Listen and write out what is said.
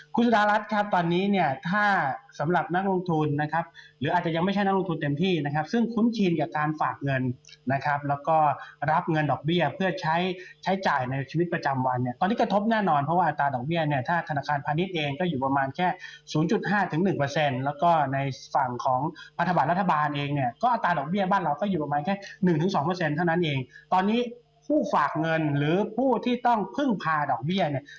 คุณสุดารัสครับตอนนี้เนี่ยถ้าสำหรับนักลงทุนนะครับหรืออาจจะยังไม่ใช่นักลงทุนเต็มที่นะครับซึ่งคุ้มชีนกับการฝากเงินนะครับแล้วก็รับเงินดอกเบี้ยเพื่อใช้ใช้จ่ายในชีวิตประจำวันเนี่ยตอนนี้กระทบแน่นอนเพราะว่าอัตราดอกเบี้ยเนี่ยถ้าธนาคารพาณิชย์เองก็อยู่ประมาณแค่๐๕ถึง๑เปอ